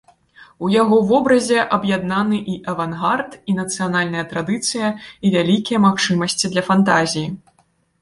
У яго вобразе аб'яднаны і авангард, і нацыянальная традыцыя, і вялікія магчымасці для фантазій.